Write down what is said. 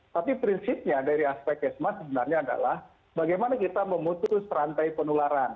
tapi prinsipnya dari aspek kesmas sebenarnya adalah bagaimana kita memutus rantai penularan